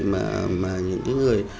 mà những cái người